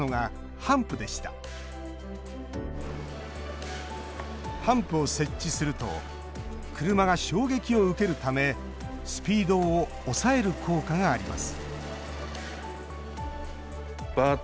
ハンプを設置すると車が衝撃を受けるためスピードを抑える効果があります